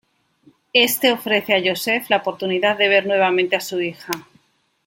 Éste ofrece a Joseph la oportunidad de ver nuevamente a su hija.